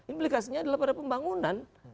implikasinya adalah pada pembangunan